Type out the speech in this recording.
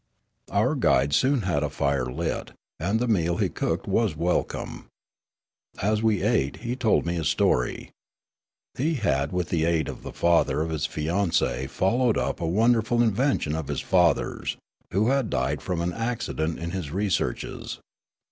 Our guide soon had a fire lit, and the meal he cooked was welcome. As we ate, he told me his story. He had with the aid of the father of his fiancee followed up a wonderful invention of his father's, who had died from an accident in his researches.